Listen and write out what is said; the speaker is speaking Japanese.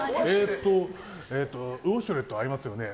ウォシュレットありますよね。